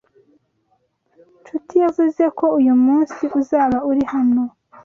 Nshuti yavuze ko uyu munsi uzaba uri hano.